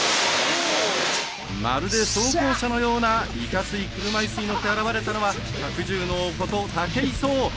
まるで装甲車のようないかつい車いすに乗って現れたのは百獣の王こと武井壮。